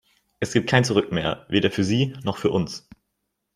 Es gibt kein Zurück mehr, weder für Sie noch für uns.